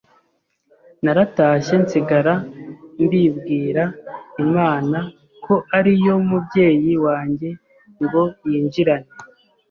Naratashye nsigara mbibwira Imana ko ariyo mubyeyi wanjye ngo yinjirane